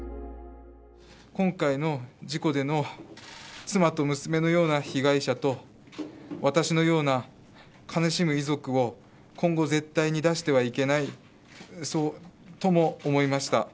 今回の事故での妻と娘のような被害者と、私のような悲しむ遺族を今後、絶対に出してはいけない、そうとも思いました。